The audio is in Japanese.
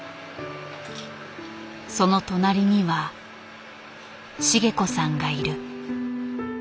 その隣には茂子さんがいる。